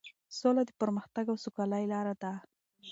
سوله د پرمختګ او سوکالۍ لاره ده.